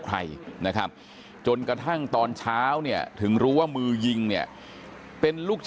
อายุ๑๐ปีนะฮะเขาบอกว่าเขาก็เห็นถูกยิงนะครับ